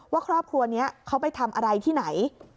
ว่าครอบครัวนี้เขาไปทำอะไรที่ไหน